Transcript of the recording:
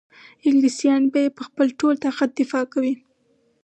انګلیسیان به په خپل ټول طاقت دفاع کوي.